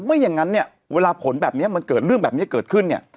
ไม่อย่างนั้นเนี่ยเวลาผลแบบนี้มันเกิดเรื่องแบบนี้เกิดขึ้นเนี่ย